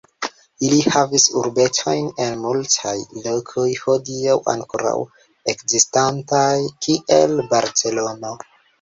Ili havis urbetojn en multaj lokoj hodiaŭ ankoraŭ ekzistantaj kiel Barcelono.